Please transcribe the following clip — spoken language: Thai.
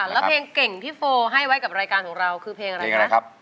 แล้วเพลงเก่งที่โฟให้ไว้กับรายการของเราคือเพลงอะไรคะ